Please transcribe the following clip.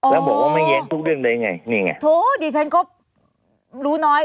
แล้วบอกว่าไม่แย้งทุกเรื่องได้ไงนี่ไงโถดิฉันก็รู้น้อย